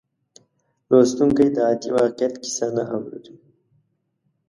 لوستونکی د عادي واقعیت کیسه نه اوري.